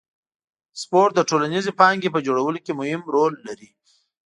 سپورت د ټولنیزې پانګې په جوړولو کې مهم رول لري.